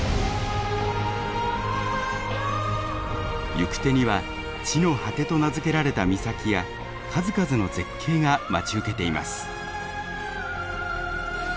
行く手には地の果てと名付けられた岬や数々の絶景が待ち受けています。